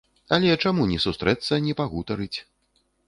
Але чаму не сустрэцца, не пагутарыць.